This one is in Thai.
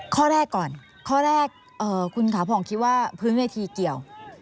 ข้อแรกก่อนข้อแรกคุณขาผ่องคิดว่าพื้นเวทีเกี่ยว